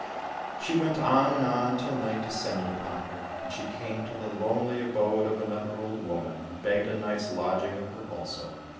She went on and on till night descended upon her, and she came to the lonely abode of another old woman, and begged a night's lodging of her also.